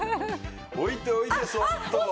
置いて置いてそっと。